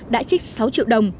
đã trích sáu triệu đồng